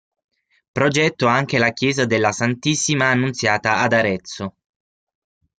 Progetto anche la chiesa della Santissima Annunziata ad Arezzo.